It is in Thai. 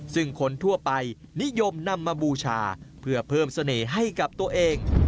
ซึ่งคนทั่วไปนิยมนำมาบูชาเพื่อเพิ่มเสน่ห์ให้กับตัวเอง